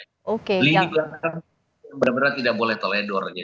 lagi lagi berat berat tidak boleh teledor